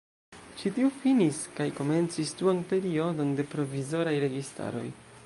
Ĉi tiu finis kaj komencis duan periodon de provizoraj registaroj.